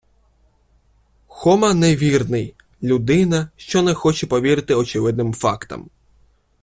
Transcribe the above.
Хома невірний - людина, що не хоче повірити очевидним фактам